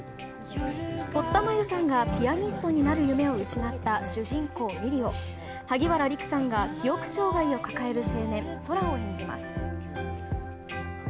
堀田真由さんがピアニストになる夢を失った主人公、美璃を萩原利久さんが記憶障害を抱える青年、空を演じます。